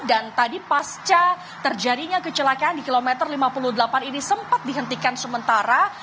dan tadi pasca terjadinya kecelakaan di kilometer lima puluh delapan ini sempat dihentikan sementara